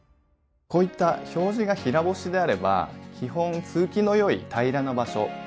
こういった表示が平干しであれば基本通気の良い平らな場所